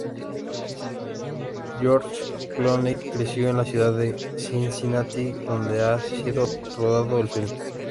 George Clooney creció en la ciudad de Cincinnati, donde ha sido rodado el film.